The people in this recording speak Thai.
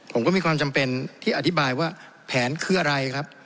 ผมก็มีความจำเป็นที่อธิบายว่าแผนคืออะไรครับ